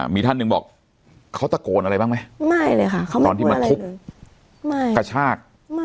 มีท่านหนึ่งบอกเขาตะโกนอะไรบ้างไหมไม่เลยค่ะตอนที่มาทุบกระชาก